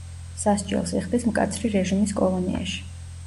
სასჯელს იხდის მკაცრი რეჟიმის კოლონიაში.